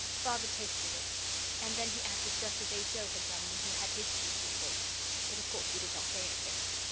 Father tasted it, and then he acted just as H. O. had done when he had his teaspoonful, but of course we did not say anything.